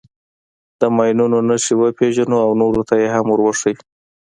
د ماینونو نښې وپېژنو او نورو ته یې هم ور وښیو.